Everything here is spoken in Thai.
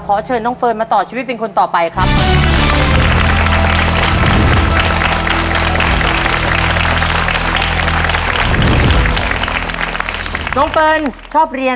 เชิญน้องเฟิร์นมาต่อชีวิตเป็นคนต่อไปครับ